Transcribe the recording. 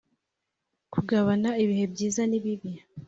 kugabana ibihe byiza nibibi,